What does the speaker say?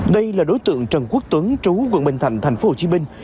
đây là đối tượng trần quốc tuấn trú quận bình thạnh thành phố hồ chí minh